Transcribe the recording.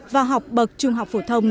vào học bậc trung học phổ thông